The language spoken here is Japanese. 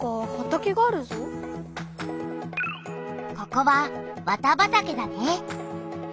ここは綿畑だね。